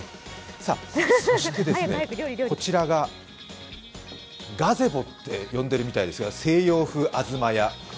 そしてこちらがガゼボって呼んでいるみたいですが、西洋風東家。